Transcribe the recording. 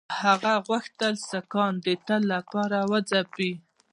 هغه غوښتل سیکهان د تل لپاره وځپي.